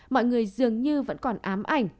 mọi người dường như vẫn còn ám ảnh